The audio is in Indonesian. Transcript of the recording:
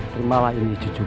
terimalah ini cucuku